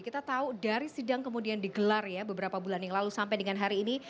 kita tahu dari sidang kemudian digelar ya beberapa bulan yang lalu sampai dengan hari ini